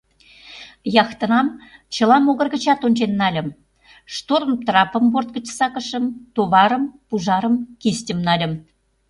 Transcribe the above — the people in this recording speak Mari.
Яхтынам чыла могыр гычат ончен нальым, штормтрапым борт гыч сакышым, товарым, пужарым, кистьым нальым.